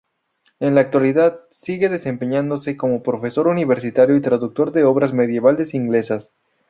En la actualidad, sigue desempeñándose como profesor universitario y traductor de obras medievales inglesas.